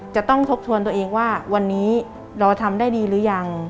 จะต้องทบทวนตัวเองว่าวันนี้เราทำได้ดีหรือยัง